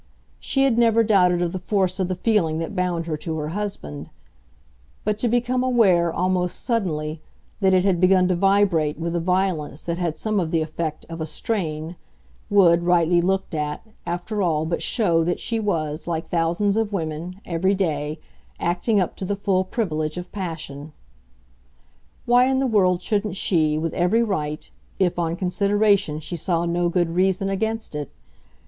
She had never doubted of the force of the feeling that bound her to her husband; but to become aware, almost suddenly, that it had begun to vibrate with a violence that had some of the effect of a strain would, rightly looked at, after all but show that she was, like thousands of women, every day, acting up to the full privilege of passion. Why in the world shouldn't she, with every right if, on consideration, she saw no good reason against it?